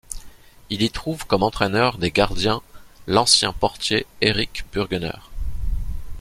Il y trouve comme entraîneur des gardiens l’ancien portier Erich Burgener.